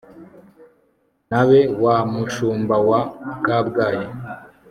N abe Wa mushumba wa Kabgayi